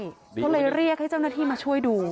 เพราะเลยเรียกเจ้าหน้าที่มาช่วยดู